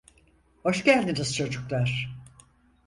Hoş geldiniz çocuklar.